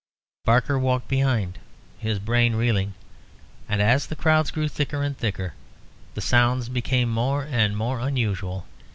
Barker walked behind, his brain reeling, and, as the crowds grew thicker and thicker, the sounds became more and more unusual.